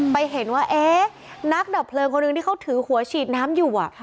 ไปเห็นว่าเอ๊ะนักดับเพลิงคนหนึ่งที่เขาถือหัวฉีดน้ำอยู่